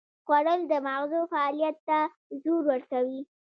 خوړل د مغزو فعالیت ته زور ورکوي